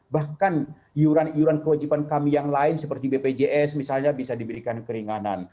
bahkan iuran iuran kewajiban kami yang lain seperti bpjs misalnya bisa diberikan keringanan